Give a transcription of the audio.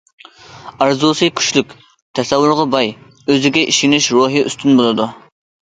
ئارزۇسى كۈچلۈك، تەسەۋۋۇرغا باي، ئۆزىگە ئىشىنىش روھى ئۈستۈن بولىدۇ.